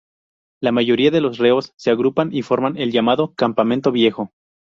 La mayoría de los reos se agrupan y forman el llamado Campamento Viejo.